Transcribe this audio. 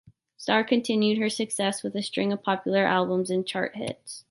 Starr continued her success with a string of popular albums and chart hits.